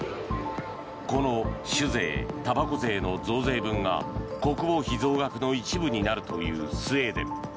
この酒税、たばこ税の増税分が国防費増額の一部になるというスウェーデン。